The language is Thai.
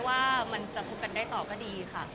ว่ามันจะคบกันได้ต่อก็ดีค่ะ